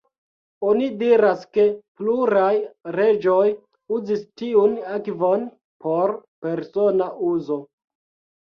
Oni diras ke pluraj reĝoj uzis tiun akvon por persona uzo.